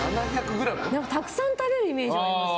たくさん食べるイメージはあります。